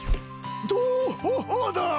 どうだ？